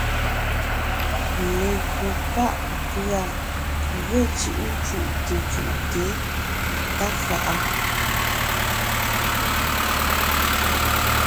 Legÿo pá’ pʉ̀a ge cʉ́’ cú’te cú’te tá fa’a,